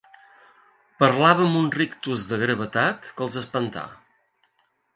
Parlava amb un rictus de gravetat que els espantà.